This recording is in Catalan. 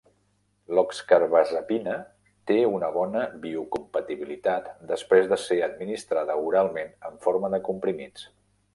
L"oxcarbazepina té una bona biocompatibilitat després de ser administrada oralment en forma de comprimits.